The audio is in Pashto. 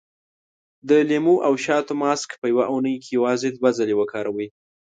د لیمو او شاتو ماسک په يوه اونۍ کې یوازې دوه ځلې وکاروئ.